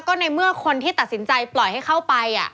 ก็ในเมื่อคนที่ตัดสินใจปล่อยให้เข้าไป